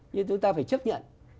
nhưng chúng ta phải chấp nhận